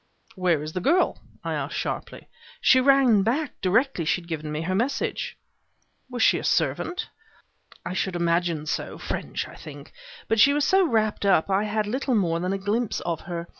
"Where is the girl?" I asked, sharply. "She ran back directly she had given me her message." "Was she a servant?" "I should imagine so: French, I think. But she was so wrapped up I had little more than a glimpse of her.